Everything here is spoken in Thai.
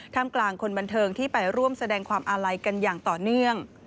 มกลางคนบันเทิงที่ไปร่วมแสดงความอาลัยกันอย่างต่อเนื่อง